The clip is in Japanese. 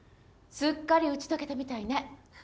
すっかり打ち解けたみたいね。